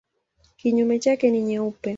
Kinyume chake ni nyeupe.